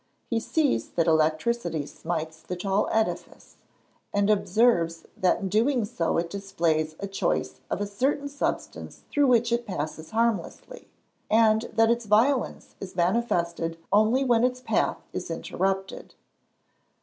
He sees that electricity smites the tall edifice, and observes that in doing so it displays a choice of a certain substance through which it passes harmlessly, and that its violence is manifested only when its path is interrupted.